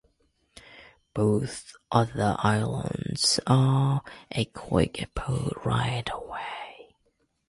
Both other Islands are a quick boat ride away.